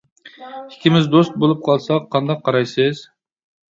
ئىككىمىز دوست بۇلۇپ قالساق قانداق قارايسىز؟